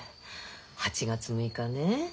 ８月６日ね